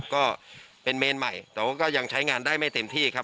ก็เป็นเมนใหม่แต่ว่าก็ยังใช้งานได้ไม่เต็มที่ครับ